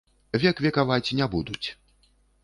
Век векаваць не будуць!